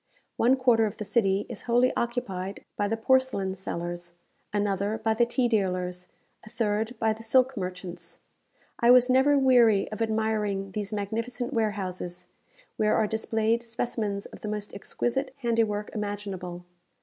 One quarter of the city is wholly occupied by the porcelain sellers, another by the tea dealers, a third by the silk merchants. I was never weary of admiring these magnificent warehouses, where are displayed specimens of the most exquisite handiwork imaginable.